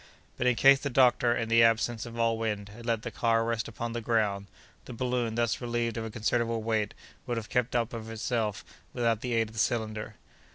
But, in case the doctor, in the absence of all wind, had let the car rest upon the ground, the balloon, thus relieved of a considerable weight, would have kept up of itself, without the aid of the cylinder.